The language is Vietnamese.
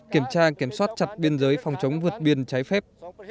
kiểm tra kiểm soát chặt biên giới phòng chống vượt biên trái phép